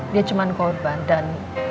dia cuma korban dan